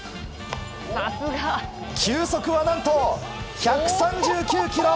球速は何と１３９キロ！